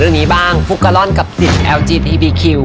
เยี่ยมกว่าง่ายไป